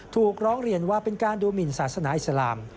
ถูกร้องเรียนว่าเป็นการดูหมินศาสนาอิสลาม